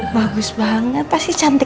bagus banget pasti cantik